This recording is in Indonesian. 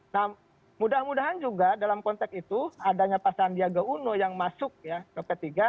nah mudah mudahan juga dalam konteks itu adanya pak sandiaga uno yang masuk ya ke p tiga